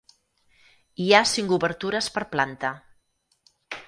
Hi ha cinc obertures per planta.